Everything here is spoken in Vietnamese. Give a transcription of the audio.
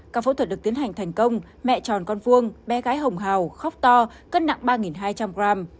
các phẫu thuật được tiến hành thành công mẹ tròn con vuông bé gái hồng hào khóc to cân nặng ba hai trăm linh gram